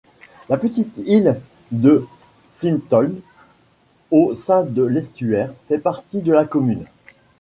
La petite île de Flintholm, au sein de l'estuaire, fait partie de la commune.